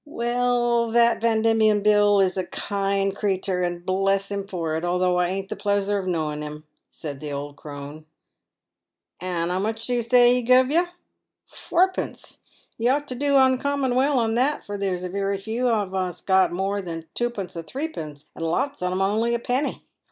" Well, that Yan Diemen Bill is a kind cretur, and bless him for it, though I ain't the pleasure o' knowing him," said the old crone. " And how much do you say he guv you ? Eourpence ! You ought to do uncommon well on that, for there's very few on us got more than twopence or threepence, and lots on 'em only a penny.